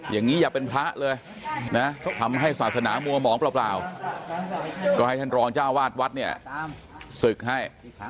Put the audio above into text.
อย่าเป็นพระเลยนะทำให้ศาสนามัวหมองเปล่าก็ให้ท่านรองเจ้าวาดวัดเนี่ยศึกให้